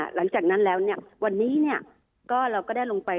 หลังจากนั้นแล้ววันนี้เราก็ได้ลงไป